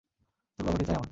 তোর বাবাকে চাই আমার।